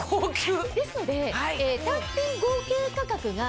ですので。